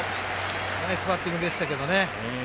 ナイスバッティングでしたけどね。